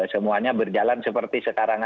semuanya berjalan seperti sekarang